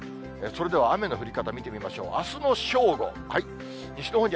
それでは雨の降り方見てみましょう。